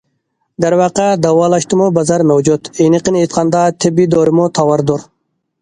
دەرۋەقە، داۋالاشتىمۇ بازار مەۋجۇت، ئېنىقىنى ئېيتقاندا تېببىي دورىمۇ تاۋاردۇر.